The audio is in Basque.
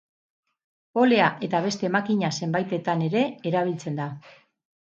Polea eta beste makina zenbaitetan ere erabiltzen da.